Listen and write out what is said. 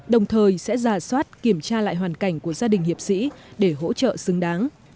đồng thời sẽ giả soát kiểm tra lại hoàn cảnh của gia đình hiệp sĩ để hỗ trợ xứng đáng